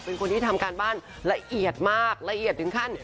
เป็นคนที่ทำการบ้านละเอียดมากละเอียดถึงขั้น